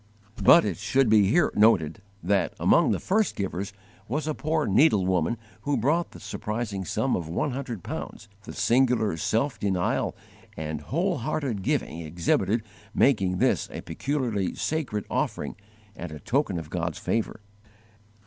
But it should here be noted that, among the first givers, was a poor needlewoman who brought the surprising sum of one hundred pounds, the singular self denial and whole hearted giving exhibited making this a peculiarly sacred offering and a token of God's favour.